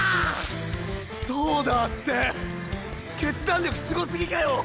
「どうだ」って決断力すごすぎかよ！